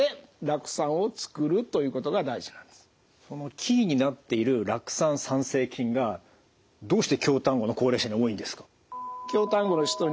そのキーになっている酪酸産生菌がどうして京丹後の高齢者に多いんですか？